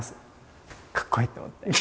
かっこいいと思って。